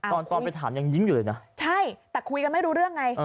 ตอนตอนไปถามยังยิ้มอยู่เลยนะใช่แต่คุยกันไม่รู้เรื่องไง